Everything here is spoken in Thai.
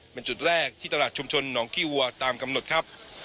เป็นจุดแรกที่ตลาดชุมชนหนองขี้วัวตามกำหนดครับ